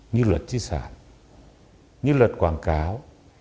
như luật trí sản như luật quảng cáo